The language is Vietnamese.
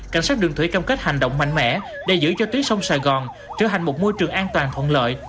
cảnh sát đường thủy cam kết hành động mạnh mẽ để giữ cho tuyến sông sài gòn trở thành một môi trường an toàn thuận lợi